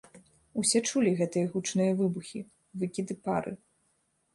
Усе чулі гэтыя гучныя выбухі, выкіды пары.